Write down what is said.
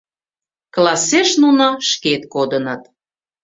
Классеш нуно шкет кодыныт.